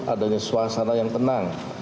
adanya suasana yang tenang